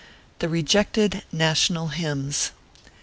THE REJECTED "NATIONAL IIYMXS."